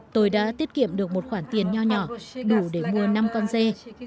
tôi đã tiết kiệm được một khoản tiền nhỏ nhỏ đủ để mua năm con dê